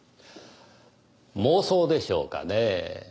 妄想でしょうかねぇ。